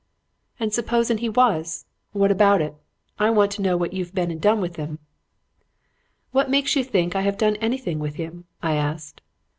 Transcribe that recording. "'And supposin' he was. What about it? I want to know what you've been and done with 'im.' "'What makes you think I have done anything with him?' I asked.